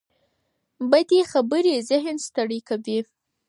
بدې خبرې ذهن ستړي کوي